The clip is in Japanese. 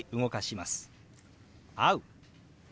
「会う」。